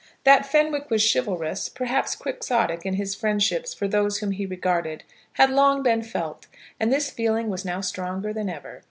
That Fenwick was chivalrous, perhaps Quixotic, in his friendships for those whom he regarded, had long been felt, and this feeling was now stronger than ever.